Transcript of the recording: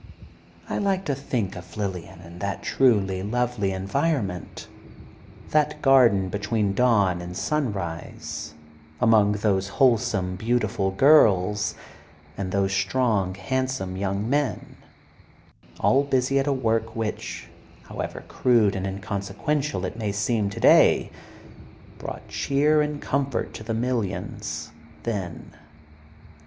I like to think of Lillian in that truly lovely environment, that "garden between dawn and sunrise," among those wholesome, beautiful girls and those strong, handsome young men, all busy at a work which, however crude and inconsequential it may seem today, brought cheer and comfort to the millions, then.